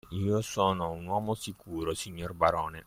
io sono un uomo sicuro, signor barone.